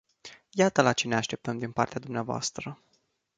Iată la ce ne așteptăm din partea dvs.